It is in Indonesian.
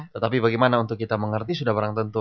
tetapi bagaimana untuk kita mengerti sudah barang tentu